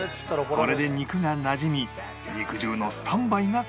これで肉がなじみ肉汁のスタンバイが完了